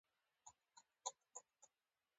دیني او عرفاني مفاهیم ګډ شوي دي.